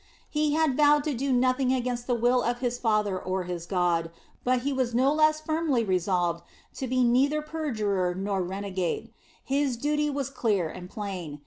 He had vowed to do nothing against the will of his father or his God, but he was no less firmly resolved to be neither perjurer nor renegade. His duty was clear and plain.